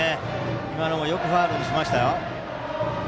今のも、よくファウルにしました。